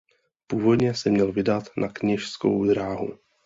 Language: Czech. Původně se měl vydat na kněžskou dráhu.